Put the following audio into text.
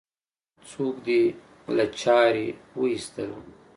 څوک دې له چارې وایستل؟